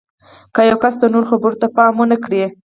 که یو کس د نورو خبرو ته پام ونه کړي